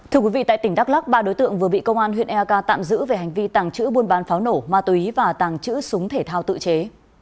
thưa quý vị tại tỉnh đắk lắc ba đối tượng vừa bị công an huyện eak tạm giữ về hành vi tàng trữ buôn bán pháo nổ ma túy và tàng trữ súng thể thao tự chế